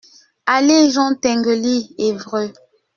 Allée Jean Tinguely, Évreux